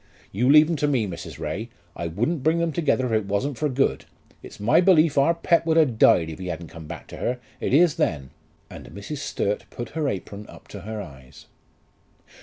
You leave 'em to me, Mrs. Ray; I wouldn't bring them together if it wasn't for good. It's my belief our pet would a' died if he hadn't come back to her it is then." And Mrs. Sturt put her apron up to her eyes.